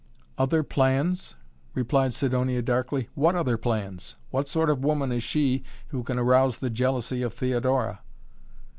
"Other plans?" replied Sidonia darkly. "What other plans? What sort of woman is she who can arouse the jealousy of Theodora?"